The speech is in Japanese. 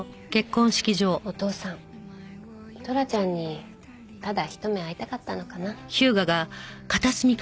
お父さんトラちゃんにただひと目会いたかったのかな。